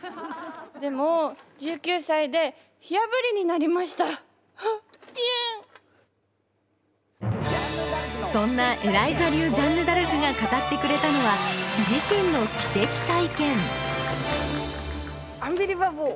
でもそんなエライザ流ジャンヌ・ダルクが語ってくれたのは自身の奇跡体験アンビリバボー！